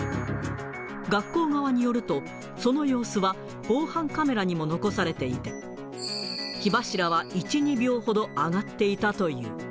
学校側によると、その様子は防犯カメラにも残されていて、火柱は１、２秒ほど上がっていたという。